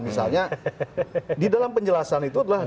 misalnya di dalam penjelasan itu adalah